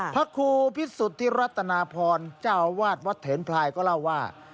พระครูพิสุทธิรัตนาพรเจ้าอาวาสวัดเถนพลายก็เล่าว่า